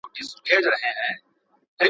دا هېواد مخکښ رول لري.